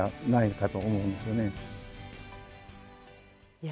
いや。